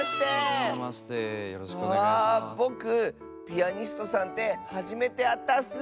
ぼくピアニストさんってはじめてあったッス。